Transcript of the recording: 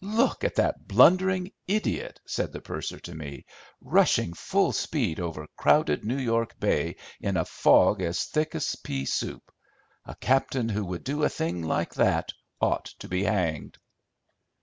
"Look at that blundering idiot," said the purser to me, "rushing full speed over crowded New York Bay in a fog as thick as pea soup. A captain who would do a thing like that ought to be hanged."